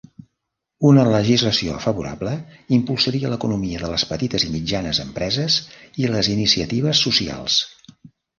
Una legislació favorable impulsaria l'economia de les petites i mitjanes empreses i les iniciatives socials.